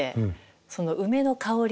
その梅の香り